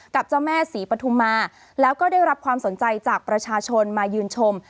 กับเจ้าแม่ศรีปฐุมาแล้วก็ได้รับความสนใจจากประชาชนมายืนชม